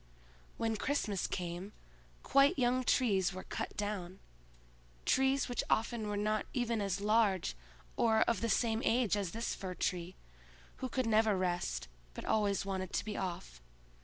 When Christmas came, quite young trees were cut down; trees which often were not even as large or of the same age as this Fir tree, who could never rest, but always wanted to be off.